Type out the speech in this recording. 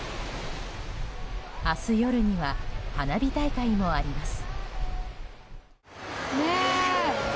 明日夜には花火大会もあります。